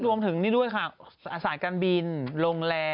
รวมถึงนี่ด้วยค่ะสายการบินโรงแรม